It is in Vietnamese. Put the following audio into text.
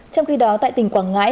trong khi đó tại tỉnh quảng ngãi